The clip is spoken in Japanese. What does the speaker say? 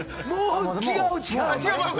違う違う。